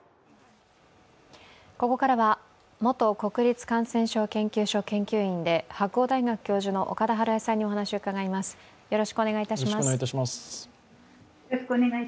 ここからは元国立感染症研究所研究員で白鴎大学教授の岡田晴恵さんにお話を伺います。